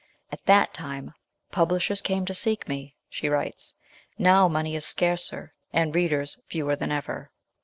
At that time " publishers came to seek me," she writes ;" now money is scarcer and readers fewer than ever."